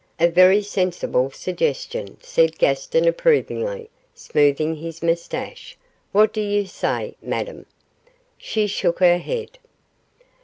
'A very sensible suggestion,' said Gaston, approvingly, smoothing his moustache. 'What do you say, Madame?' She shook her head.